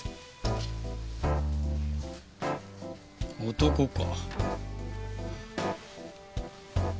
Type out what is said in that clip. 男か。